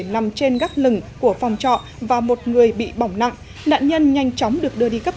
nằm trên gác lừng của phòng trọ và một người bị bỏng nặng nạn nhân nhanh chóng được đưa đi cấp